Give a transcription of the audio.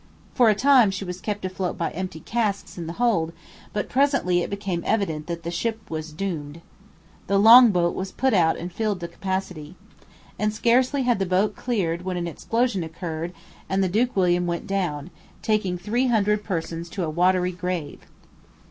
For a time she was kept afloat by empty casks in the hold, but presently it became evident that the ship was doomed. The long boat was put out and filled to capacity. And scarcely had the boat cleared when an explosion occurred and the Duke William went down, taking three hundred persons to a watery grave.